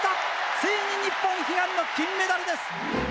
ついに日本悲願の金メダルです。